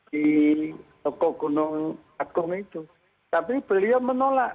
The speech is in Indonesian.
di toko gunung agung itu tapi beliau menolak